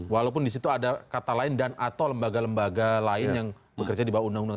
walaupun di situ ada kata lain dan atau lembaga lembaga lain yang bekerja di bawah undang undang